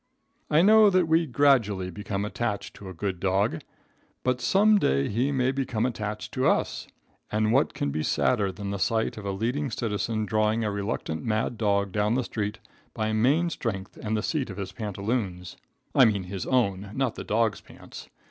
I know that we gradually become attached to a good dog, but some day he may become attached to us, and what can be sadder than the sight of a leading citizen drawing a reluctant mad dog down the street by main strength and the seat of his pantaloons? (I mean his own, not the dog's pants.